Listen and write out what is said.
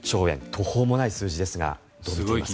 途方もない数字ですがどう見ていますか？